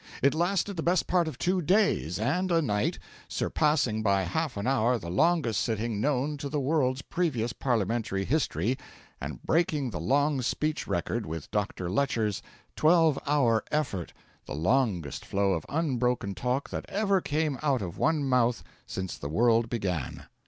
It lasted the best part of two days and a night, surpassing by half an hour the longest sitting known to the world's previous parliamentary history, and breaking the long speech record with Dr. Lecher's twelve hour effort, the longest flow of unbroken talk that ever came out of one mouth since the world began.